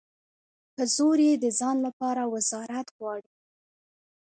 په زور یې د ځان لپاره وزارت غواړي.